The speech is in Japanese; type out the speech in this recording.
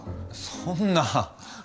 そんなあ。